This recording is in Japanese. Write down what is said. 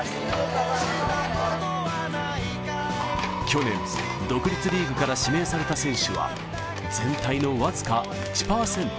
去年、独立リーグから指名された選手は全体の僅か１％。